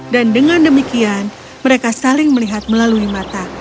dan dengan demikian mereka saling melihat melalui mata